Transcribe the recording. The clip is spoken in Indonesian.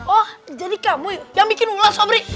oh jadi kamu yang bikin ulah sobri